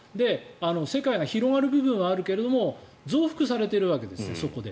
世界が広がる部分はあるけれども増幅されているわけですそこで。